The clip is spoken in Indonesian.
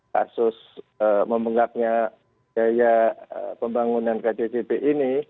kasus memenggaknya gaya pembangunan kjp ini